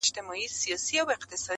ننګرهاری څوک دی